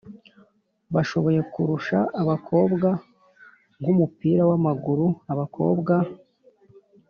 bashoboye kurusha abakobwa, nk’uw’umupira w’amaguru; abakobwa